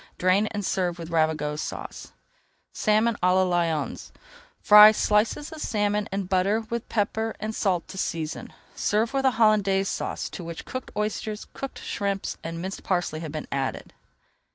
Drain and serve with Ravigote Sauce. SALMON À LA LYONS Fry slices of salmon in butter with pepper and salt to season. Serve with a Hollandaise Sauce to which cooked oysters, cooked shrimps, and minced parsley have been added.